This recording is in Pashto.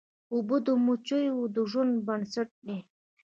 اوبه د مچیو د ژوند بنسټ دي.